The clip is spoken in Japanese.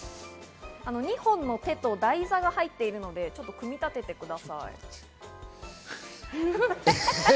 ２本の手と台座が出ているので、組み立ててください。